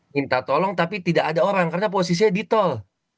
minta tolong tapi tidak ada orang karena posisinya di tol